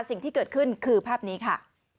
สิ่งที่เกิดขึ้นคือภาพนี้ค่ะ